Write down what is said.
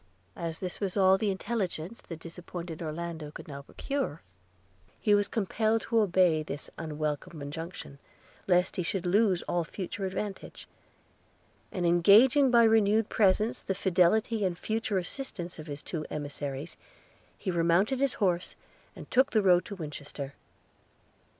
As this was all the intelligence the disappointed Orlando could now procure, he was compelled to obey this unwelcome injunction, lest he should lose all future advantage; and engaging by renewed presents the fidelity and future assistance of his two emissaries, he remounted his horse, and took the road to Winchester.